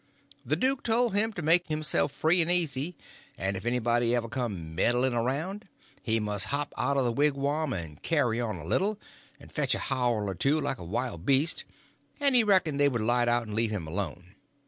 The duke told him to make himself free and easy, and if anybody ever come meddling around, he must hop out of the wigwam, and carry on a little, and fetch a howl or two like a wild beast, and he reckoned they would light out and leave him alone.